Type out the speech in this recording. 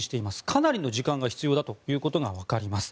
かなりの時間が必要だということがわかります。